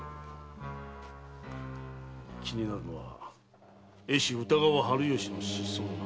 気になるのは絵師・歌川春芳の失踪だが。